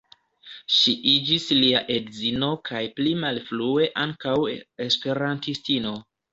Ŝi iĝis lia edzino kaj pli malfrue ankaŭ esperantistino.